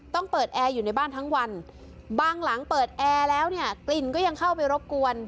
ต้องเปิดแอร์อยู่ในบ้านทั้งวันบางหลังเปิดแอร์แล้วเนี่ยกลิ่นก็ยังเข้าไปรบกวน